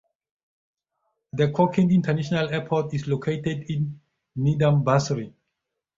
The Cochin International Airport is located in Nedumbassery.